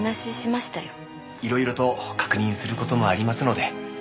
いろいろと確認する事もありますので。